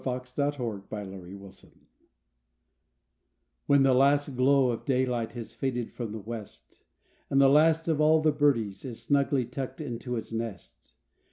And is good enough for me NIGHT When the last glow of daylight, Has faded from the west, And the last of all the birdies, Is snugly tucked into its nest.